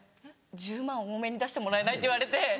１０万円多めに出してもらえない？」って言われて。